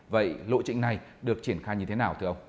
vậy lộ trịnh này được triển khai như thế nào thưa ông